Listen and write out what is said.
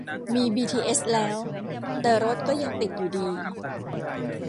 มีบีทีเอสแล้ว แต่รถก็ยังติดอยู่ดี